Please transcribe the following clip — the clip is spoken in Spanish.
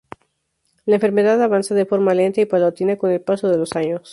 La enfermedad avanza de forma lenta y paulatina con el paso de los años.